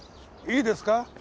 いいですか？